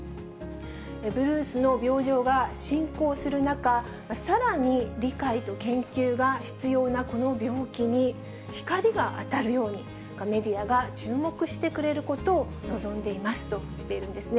ブルースの病状が進行する中、さらに理解と研究が必要なこの病気に光が当たるように、メディアが注目してくれることを望んでいますとしているんですね。